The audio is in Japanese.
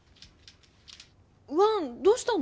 ワンどうしたの？